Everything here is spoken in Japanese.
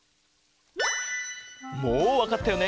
もうわかったよね？